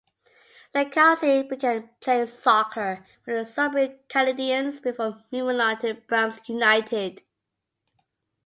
Lacasse began playing soccer with the Sudbury Canadians before moving on to Brams United.